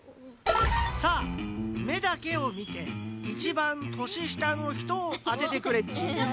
さあめだけをみて一番年下の人をあててくれっち。